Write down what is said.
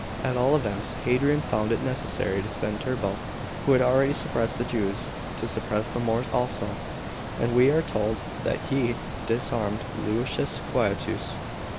At all events Hadrian found it necessary to send Turbo, who had already suppressed the Jews, to suppress the Moors also ; and we are told that he " disarmed Lusius Quietus."